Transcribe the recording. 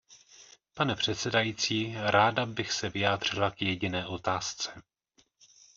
Pane předsedající, ráda bych se vyjádřila k jediné otázce.